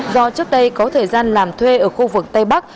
do trước đây có thời gian làm thuê ở khu vực tây bắc